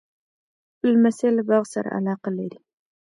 لمسی له باغ سره علاقه لري.